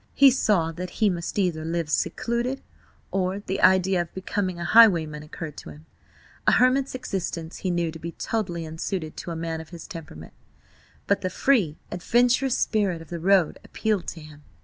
He saw that he must either live secluded, or–and the idea of becoming a highwayman occurred to him. A hermit's existence he knew to be totally unsuited to a man of his temperament, but the free, adventurous spirit of the road appealed to him.